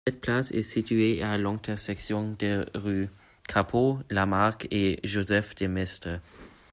Cette place est située à l'intersection des rues Carpeaux, Lamarck et Joseph-de-Maistre.